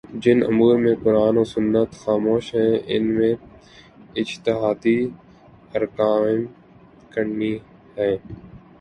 جن امور میں قرآن و سنت خاموش ہیں ان میں اجتہادی آراقائم کرنی ہیں